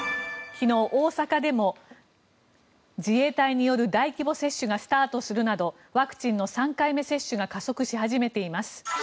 昨日、大阪でも自衛隊による大規模接種がスタートするなどワクチンの３回目接種が加速し始めています。